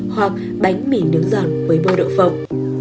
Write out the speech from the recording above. hoặc bánh mì nướng giòn với bô đậu phộng